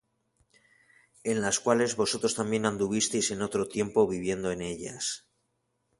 En las cuales vosotros también anduvisteis en otro tiempo viviendo en ellas.